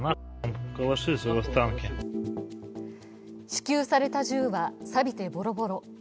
支給された銃は、さびてボロボロ。